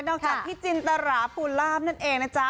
จากพี่จินตราภูลาภนั่นเองนะจ๊ะ